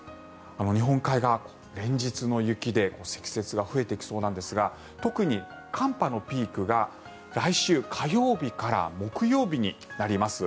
日本海側、連日の雪で積雪が増えてきそうなんですが特に寒波のピークが来週火曜日から木曜日になります。